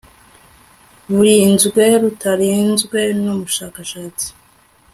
burinzwe rutanzwe n umushakashatsi